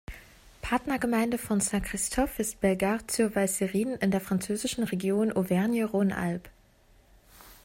Partnergemeinde von Saint-Christophe ist Bellegarde-sur-Valserine in der französischen Region Auvergne-Rhône-Alpes.